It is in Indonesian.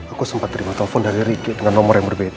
aku sempat terima telepon dari ricky dengan nomor yang berbeda